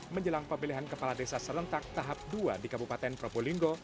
menjelang pemilihan kepala desa serentak tahap dua di kabupaten probolinggo